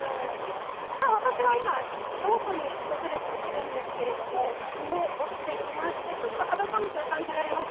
さあ、私は今京都に訪れているんですけれども日も落ちてきましてちょっと肌寒く感じられます。